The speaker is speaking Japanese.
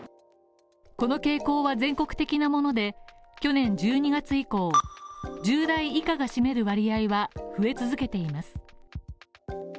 この傾向は全国的なもので、去年１２月以降１０代以下が占める割合は増え続けています。